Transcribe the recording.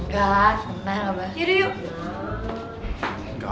gak seneng abah